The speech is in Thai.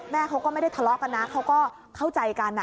เขาก็ไม่ได้ทะเลาะกันนะเขาก็เข้าใจกัน